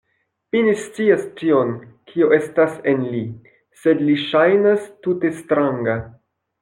Mi ne scias tion, kio estas en li; sed li ŝajnas tute stranga.